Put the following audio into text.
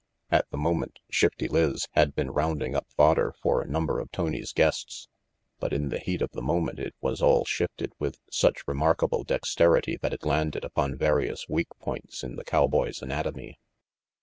At the moment Shifty Lizz had been rounding up fodder for a number of Tony's guests, but in the heat of the moment it was all shifted with such remarkable dexterity that it landed upon various weak points in the cowboy's anatomy.